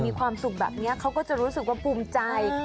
มีความสุขแบบนี้เขาก็จะรู้สึกว่าภูมิใจ